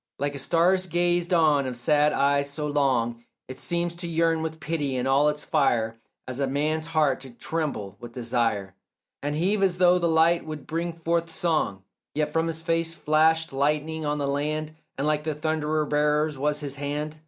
Like a star's gazed on of sad eyes so long It seems to yearn with pity, and all its fire As a man's heart to tremble with desire And heave as though the light would bring forth song; Yet from his face flashed lightning on the land, And like the thunder bearer's was his hand.